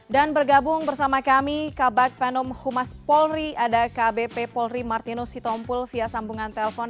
dan bergabung bersama kami kabak penum humas polri ada kbp polri martino sitompul via sambungan telpon